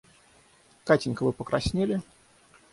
Катенька вы покраснели?